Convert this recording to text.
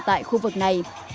tại khu vực này